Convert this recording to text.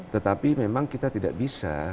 tetapi memang kita tidak bisa